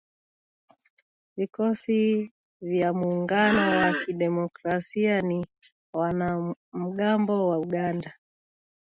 Vikosi vya Muungano wa Kidemokrasia ni wanamgambo wa Uganda.